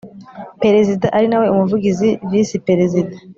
Perezida ari nawe umuvugizi visi perezida